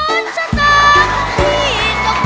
คุณรักจากหลากตัวฉะนั้น